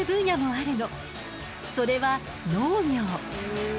それは農業。